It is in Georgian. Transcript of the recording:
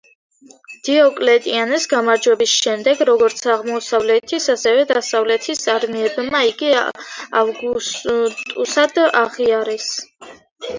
დიოკლეტიანეს გამარჯვების შემდეგ, როგორც აღმოსავლეთის, ასევე, დასავლეთის არმიებმა იგი ავგუსტუსად აღიარეს.